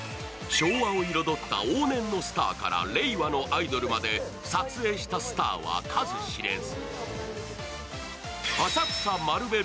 昭和を彩った往年のスターから令和のアイドルまで撮影したスターは数知れず。